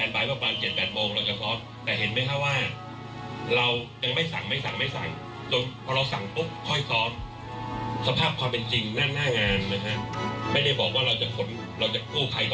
โปรดติดตามต่อไป